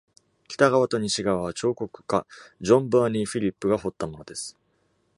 北側と西側は彫刻家 John Birnie Philip が彫ったものです。